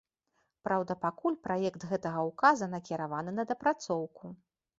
Праўда, пакуль праект гэтага ўказа накіраваны на дапрацоўку.